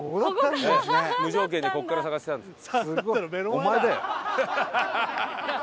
無条件でここから探せたんですよ。